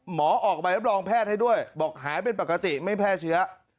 หมอออกไปรับรองแพทย์ให้ด้วยบอกหายเป็นปกติไม่แพร่เชื้อ